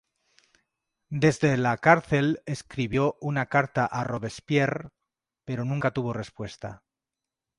Desde la cárcel escribió una carta a Robespierre, pero nunca tuvo respuesta.